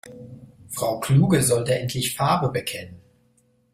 Frau Kluge sollte endlich Farbe bekennen.